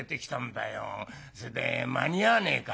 それで間に合わねえか」。